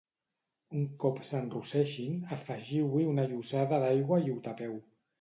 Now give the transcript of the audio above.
Un cop s'enrosseixin, afegiu-hi una llossada d'aigua i ho tapeu.